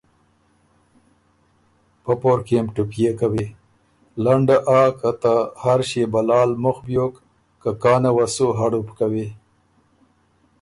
پۀ پورکيې م ټُپئے کوی، لنډه آ که ته هر ݭيې بلا ل مُخ بیوک که کانه وه سُو هړُپ کوی۔